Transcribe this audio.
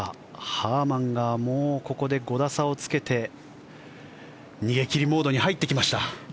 ハーマンがもうここで５打差をつけて逃げ切りモードに入ってきました。